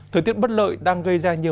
thời tiết bất lợi đang gây ra nhiễm